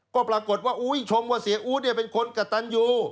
ก็ปรากฏว่าอุ้ยชมว่าเสียอู๊ดเนี่ยเป็นคนกระตันยู